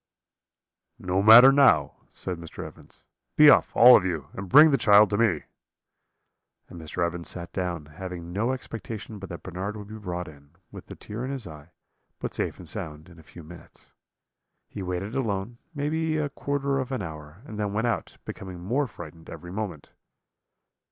"'No matter now,' said Mr. Evans; 'be off, all of you, and bring the child to me.' "And Mr. Evans sat down, having no expectation but that Bernard would be brought in, with the tear in his eye, but safe and sound, in a few minutes. He waited alone, maybe a quarter of an hour, and then went out, becoming more frightened every moment.